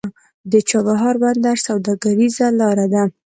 د چابهار بندر سوداګریزه لاره ده